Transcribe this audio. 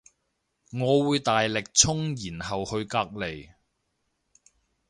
我會大力衝然後去隔籬